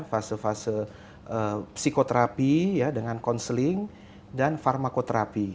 fase fase psikoterapi ya dengan counseling dan farmakoterapi